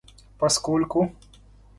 поскольку